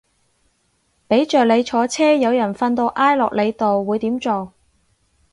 俾着你坐車有人瞓到挨落你度會點做